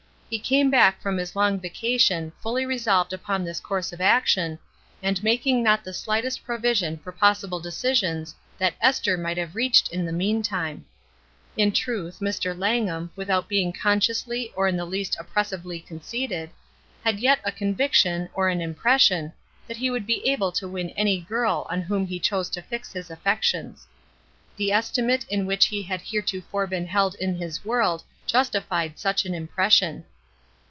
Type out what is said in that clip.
He came back from his long vacation fully resolved upon his course of action, and making not the slightest provi sion for possible decisions that Esther might have reached in the meantime. In truth, Mr. Langham, without being consciously or in the least oppressively conceited, had yet a convic tion, or an impression, that he would be able to win any girl on whom he chose to fix his affec tions. The estimate in which he had hereto fore been held in his world justified such an impression.